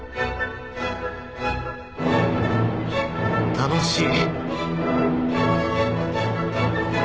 楽しい！